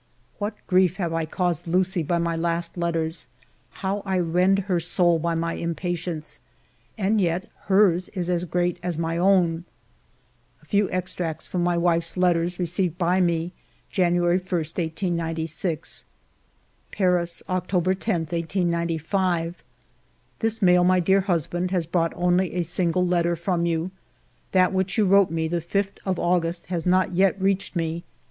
What grief have I caused Lucie by my last letters; how I rend her soul by my impatience, and yet hers is as great as my own ! A few extracts from my wife's letters, received by me January i, 1896 :—Paris, October 10, 1895. "This mail, my dear husband, has brought only a single letter from you ; that which you wrote ALFRED DREYFUS 189 me the 5th of August has not reached me.